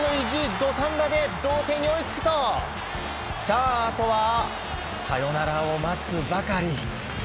土壇場で同点に追いつくとさあ、あとはサヨナラを待つばかり。